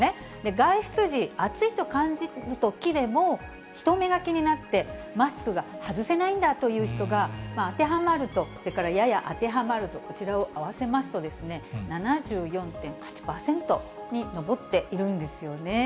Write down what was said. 外出時、暑いと感じるときでも人目が気になって、マスクが外せないんだという人が、当てはまると、それからやや当てはまると、こちらを合わせますと、７４．８％に上っているんですよね。